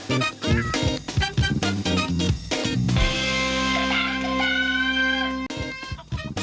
ออโห้